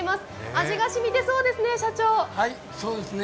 味が染みてそうですね、社長。